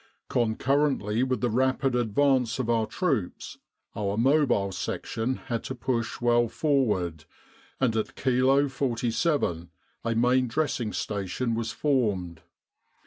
"Concurrently with the rapid advance of our troops, our Mobile Section had to push well forward, and at Kilo 47 a Main Dressing Station was formed.